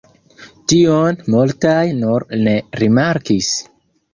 Tion multaj nur ne rimarkis.